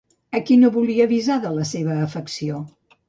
A qui no volia avisar de la seva afecció?